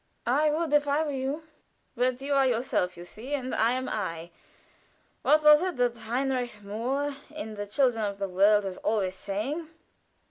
"I would if I were you." "But you are yourself, you see, and I am I. What was it that Heinrich Mohr in 'The Children of the World' was always saying?